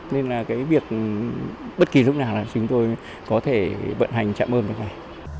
nên là cái việc bất kỳ lúc nào là chúng tôi có thể vận hành trạm bơm nước này